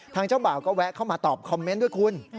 เจ้าบ่าวก็แวะเข้ามาตอบคอมเมนต์ด้วยคุณ